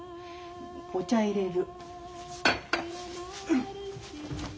お茶いれる。